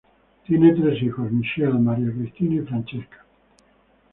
Tiene tres hijos: Michele, Maria Cristina y Francesca.